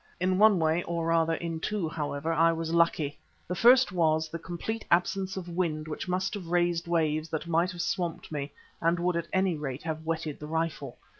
In one way, or rather, in two, however, I was lucky. The first was the complete absence of wind which must have raised waves that might have swamped me and would at any rate have wetted the rifle.